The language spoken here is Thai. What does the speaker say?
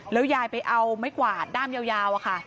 แล้วยายไปเอาไหมกว่าด้ามยาวอ่ะค่ะ